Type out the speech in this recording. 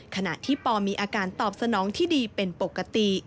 ขณะที่ปอมีอาการตอบสนองที่ดีเป็นปกติ